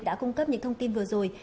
đã cung cấp những thông tin vừa rồi